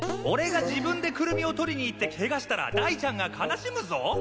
俺が自分でクルミをとりに行ってケガしたらダイちゃんが悲しむぞ